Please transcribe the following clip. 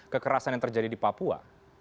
kekerasan yang terjadi di papua